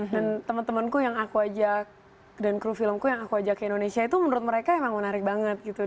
dan temen temenku yang aku ajak dan kru filmku yang aku ajak ke indonesia itu menurut mereka emang menarik banget gitu